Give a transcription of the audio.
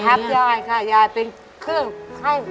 ทับยายค่ะยายเป็นคือให้